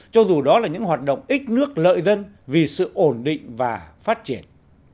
cho dù đó là những hoạt động ít nước lợi dân vì sự ổn định và phát triển